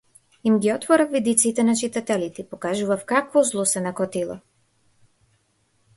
Им ги отворав видиците на читателите и покажував какво зло се накотило.